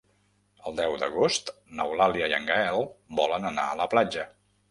El deu d'agost n'Eulàlia i en Gaël volen anar a la platja.